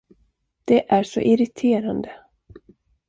Det är så irriterande.